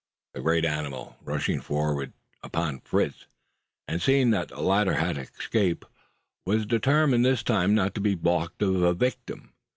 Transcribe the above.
The great animal, rushing forward upon Fritz, seeing that the latter had escaped, was determined this time not to be baulked of a victim.